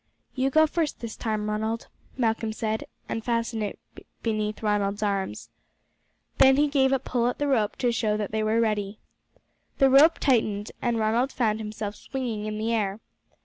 "You go first this time, Ronald," Malcolm said, and fastened it beneath Ronald's arms. Then he gave a pull at the rope to show that they were ready. The rope tightened, and Ronald found himself swinging in the air.